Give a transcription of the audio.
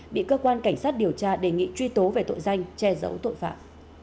bị cơ quan cảnh sát điều tra đề nghị truy tố về tội danh che giấu tội phạm